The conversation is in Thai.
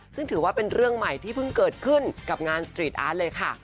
ซึ่งถือว่าเป็นเรื่องใหม่ที่เพิ่งเกิดขึ้นกับงานสตรีทอาร์ตเลยค่ะ